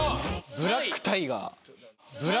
ブラックタイガー。